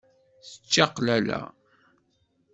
D ččaqlala.